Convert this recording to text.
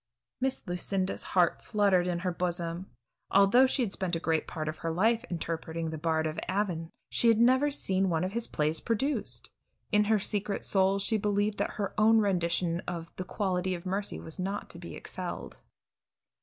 '" Miss Lucinda's heart fluttered in her bosom. Although she had spent a great part of her life interpreting the Bard of Avon, she had never seen one of his plays produced. In her secret soul she believed that her own rendition of "The quality of mercy," was not to be excelled.